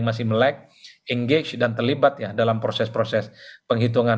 masih melek engage dan terlibat ya dalam proses proses penghitungan